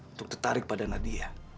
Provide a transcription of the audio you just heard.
untuk tertarik pada nadia